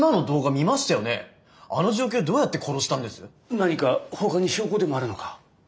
何かほかに証拠でもあるのか？